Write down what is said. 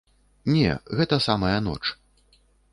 Не, гэта самая ноч.